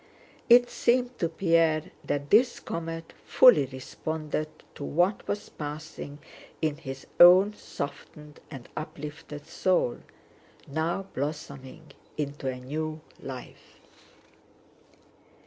It seemed to Pierre that this comet fully responded to what was passing in his own softened and uplifted soul, now blossoming into a new life.